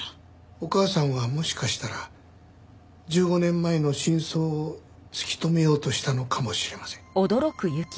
お母さんはもしかしたら１５年前の真相を突き止めようとしたのかもしれません。